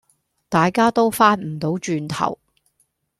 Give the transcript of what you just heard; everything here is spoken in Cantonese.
大家都翻唔到轉頭